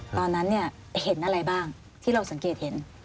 ตอนนั้นเนี่ยเห็นอะไรบ้างที่เราสังเกตเห็น